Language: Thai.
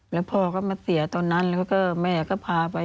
แล้วพ่อก็มาเสียตอนนั้นแล้วก็แม่ก็พาไป